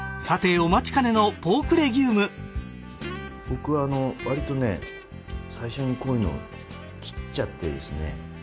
さてお待ちかねのポークレギューム僕はあのわりとね最初にこういうのを切っちゃってですね